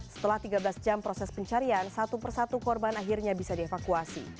setelah tiga belas jam proses pencarian satu persatu korban akhirnya bisa dievakuasi